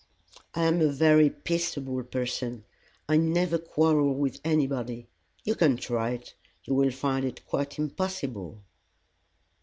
"I am a very peaceable person. I never quarrel with anybody. You can try it. You will find it quite impossible."